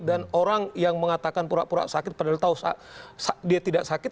dan orang yang mengatakan pura pura sakit padahal tahu dia tidak sakit